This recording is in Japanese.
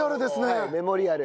はいメモリアル。